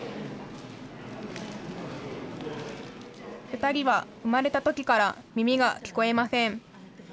２人は生まれたときから耳が聞こえません。